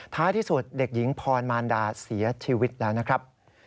ท้ายที่สุดเด็กหญิงพรมารดาเสียชีวิตแล้วนะครับ